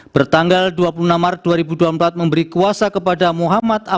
bertanggal dua puluh satu maret dua ribu dua puluh empat